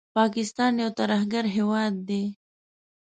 پاکستان یو ترهګر هېواد دی